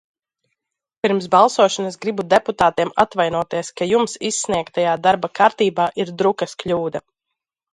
Pirms balsošanas gribu deputātiem atvainoties, ka jums izsniegtajā darba kārtībā ir drukas kļūda.